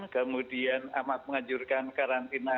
kemudian amat mengajurkan karantina